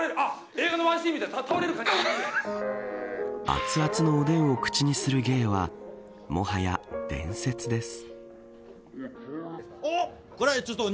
熱々のおでんを口にする芸はもはや伝説です。